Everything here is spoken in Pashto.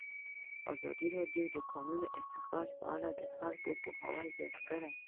ازادي راډیو د د کانونو استخراج په اړه د خلکو پوهاوی زیات کړی.